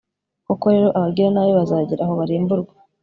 koko rero, abagiranabi bazagera aho barimburwe